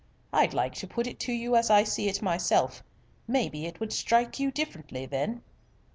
I'd like to put it to you as I see it myself. Maybe it would strike you different then."